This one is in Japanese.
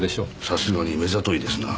さすがに目ざといですな。